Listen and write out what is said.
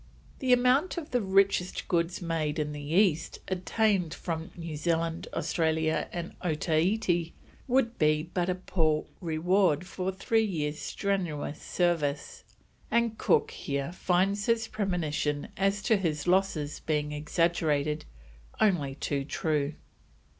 The amount of the "richest goods made in the East" obtained from New Zealand, Australia, and Otaheite would be but a poor reward for three years' strenuous service; and Cook here finds his premonition as to his losses being exaggerated, only too true.